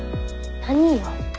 何よ？